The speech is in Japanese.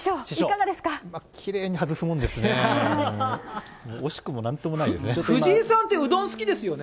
きれいに外すもんですね。